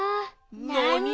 なに？